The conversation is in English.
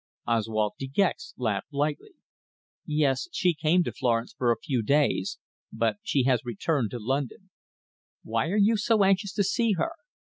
Oswald De Gex laughed lightly. "Yes. She came to Florence for a few days, but she has returned to London. Why are you so anxious to see her?"